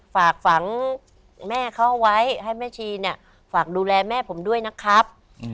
ฝากฝังแม่เขาไว้ให้แม่ชีเนี่ยฝากดูแลแม่ผมด้วยนะครับ